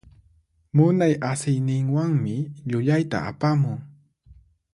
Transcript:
Munay asiyninwanmi llullayta apamun.